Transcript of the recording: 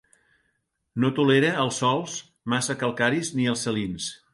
No tolera els sòls massa calcaris ni els salins.